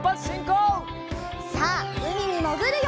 さあうみにもぐるよ！